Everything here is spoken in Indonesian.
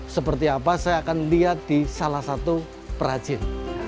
seperti apa saya akan lihat di salah satu perajin